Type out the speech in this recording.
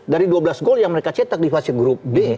dari dua belas gol yang mereka cetak di fase grup b